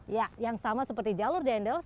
ya yang sama seperti jalur dendels